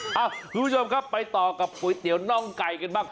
คุณผู้ชมครับไปต่อกับก๋วยเตี๋ยวน่องไก่กันบ้าง